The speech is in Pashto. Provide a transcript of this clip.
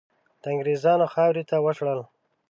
د انګریزانو خاورې ته وشړل.